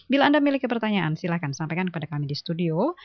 bila anda miliki pertanyaan silahkan sampaikan kepada kami di studio